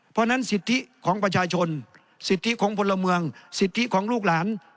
เพราะฉะนั้นสิทธิของประชาชนสิทธิของพลเมืองสิทธิของลูกหลาน